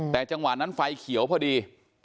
แต่จังหวะนั้นไฟเขียวพอดี